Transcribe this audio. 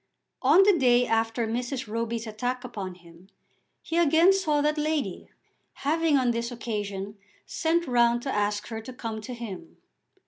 On the day after Mrs. Roby's attack upon him he again saw that lady, having on this occasion sent round to ask her to come to him.